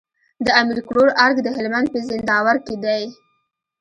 د امير کروړ ارګ د هلمند په زينداور کي دی